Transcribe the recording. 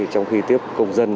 trong khi tiếp công dân